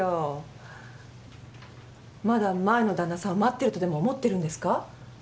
まだ前の旦那さんを待ってるとでも思ってるんですか？